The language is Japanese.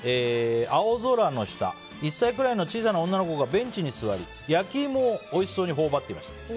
青空の下１歳くらいの小さな女の子がベンチに座り焼き芋をおいしそうにほおばっていました。